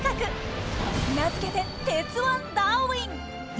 名付けて「鉄腕ダーウィン」！